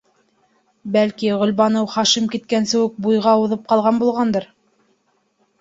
Бәлки, Гөлбаныу Хашим киткәнсе үк буйға уҙып ҡалған булғандыр?